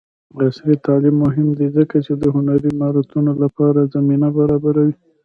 عصري تعلیم مهم دی ځکه چې د هنري مهارتونو لپاره زمینه برابروي.